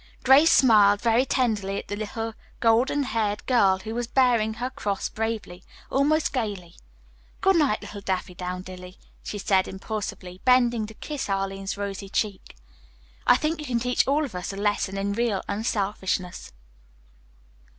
Grace smiled very tenderly at the little, golden haired girl who was bearing her cross bravely, almost gayly. "Good night, little Daffydowndilly," she said impulsively, bending to kiss Arline's rosy cheek. "I think you can teach all of us a lesson in real unselfishness."